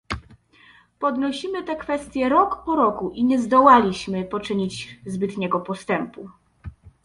Podnosimy te kwestie rok po roku i nie zdołaliśmy poczynić zbytniego postępu